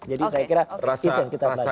jadi saya kira itu yang kita belajar